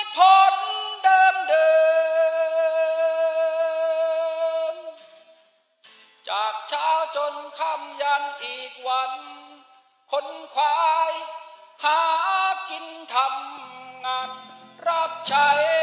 ผู้ใจรักมันร้องหวานเหนื่อย